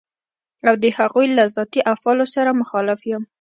او د هغوی له ذاتي افعالو سره مخالف يم.